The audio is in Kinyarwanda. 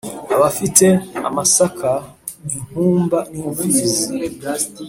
, abafite amasaka, ingumba n’imfizi